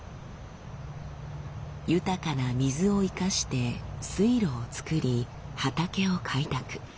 豊かな水を生かして水路を作り畑を開拓。